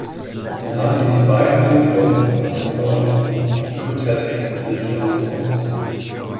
Anhand dieses Beispiels wollte ich Ihnen veranschaulichen, wie grotesk die Situation ist.